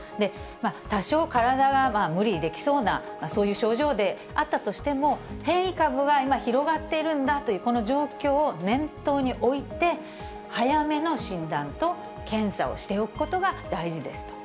多少、体が無理できそうな、そういう症状であったとしても、変異株が今広がっているんだという、この状況を念頭に置いて、早めの診断と検査をしておくことが大事ですと。